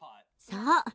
そう。